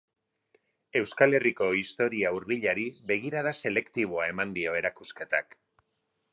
Euskal Herriko historia hurbilari begirada selektiboa eman dio erakusketak.